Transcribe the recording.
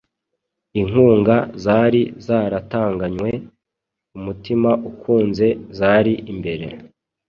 Inkunga zari zaratanganwe umutima ukunze zari imbere